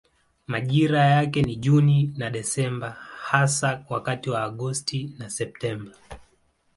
Majira yake ni Juni na Desemba hasa wakati wa Agosti na Septemba.